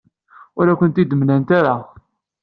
Ur akent-tent-id-mlant ara.